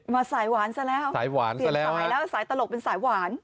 มาสายหวานเสร้าแล้วสายหวานเสร้าแล้วนะเปลี่ยนไปแล้วสายตลกเป็นสายหวาน